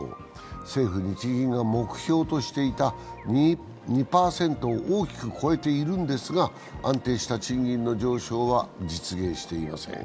政府・日銀が目標としていた２％を大きく超えているんですが安定した賃金の上昇は実現していません。